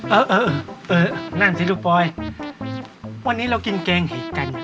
เออเออเออนั่นสิลูกปอยวันนี้เรากินเกงเหตุการณ์